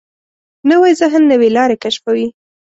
نوی ذهن نوې لارې کشفوي